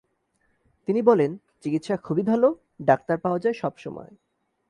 তিনি বলেন, চিকিৎসা খুবই ভালো, ডাক্তার পাওয়া যায় সব সময়।